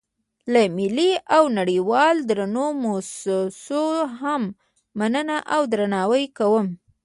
له ملي او نړیوالو درنو موسسو هم مننه او درناوی کوم.